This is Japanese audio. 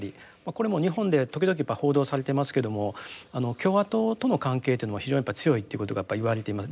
これも日本で時々報道されていますけども共和党との関係というのは非常に強いってことが言われています。